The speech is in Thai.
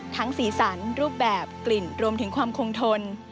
สีสันรูปแบบกลิ่นรวมถึงความคงทน